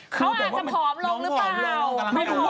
เขาอาจจะผอมลงหรือเปล่า